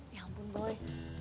ya ampun boy